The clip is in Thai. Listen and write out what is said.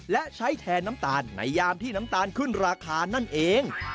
และใช้แทนน้ำตาลในยามที่น้ำตาลขึ้นราคานั่นเอง